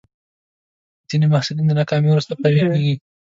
ځینې محصلین د ناکامۍ وروسته قوي کېږي.